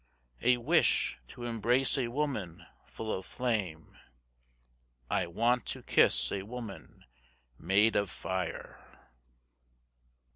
I wish to embrace a woman full of flame, I want to kiss a woman made of fire.